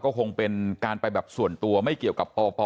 ก็คงเป็นการไปแบบส่วนตัวไม่เกี่ยวกับปป